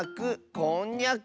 「こんにゃく」。